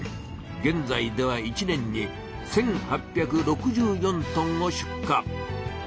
げんざいでは一年に１８６４トンを出荷。